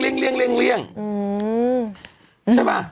ใช่ไหม